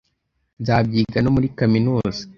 nzabyiga no muri kaminuza